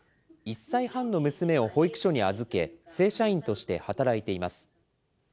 １歳半の娘を保育所に預け、正社員として働いています。